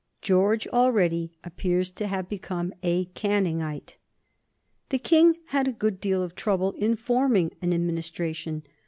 George already appears to have become a Canningite. The King had a good deal of trouble in forming an Administration.